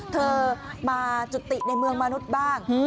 เธอมาจุติในเมืองมนุษย์บ้าง